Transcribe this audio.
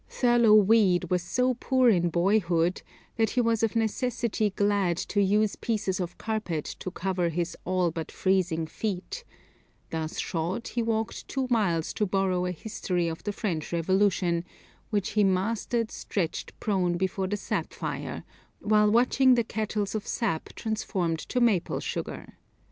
Thurlow Weed was so poor in boyhood that he was of necessity glad to use pieces of carpet to cover his all but freezing feet; thus shod he walked two miles to borrow a history of the French revolution, which he mastered stretched prone before the sap fire, while watching the kettles of sap transformed to maple sugar.